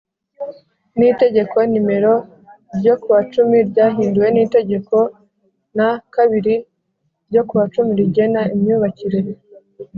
n Itegeko nimero ryo ku wa cumi ryahinduwe n Itegeko n kabiri ryo ku wa cumi rigena imyubakire